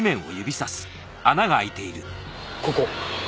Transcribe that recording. ここ。